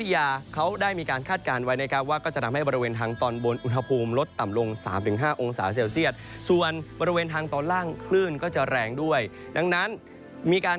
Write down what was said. อย่างที่กรงบุตุนิยองพฤ